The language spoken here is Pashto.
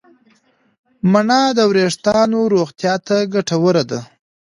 مڼه د وریښتانو روغتیا ته ګټوره ده.